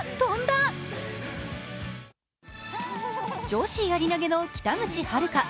女子やり投の北口榛花。